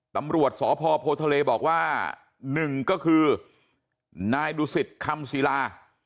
ตำรวจสพโพทะเลบอกว่าหนึ่งก็คือนายดูสิตคำศิลา